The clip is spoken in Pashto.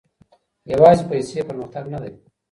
يوازي پيسې پرمختګ نه دی.